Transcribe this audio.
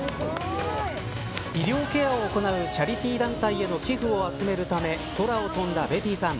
医療ケアを行うチャリティー団体への寄付を集めるため空を飛んだベティーさん